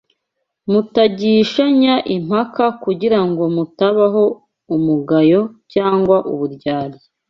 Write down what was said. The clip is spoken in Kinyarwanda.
mutagishanya impaka kugira ngo mutabaho umugayo cyangwa uburyarya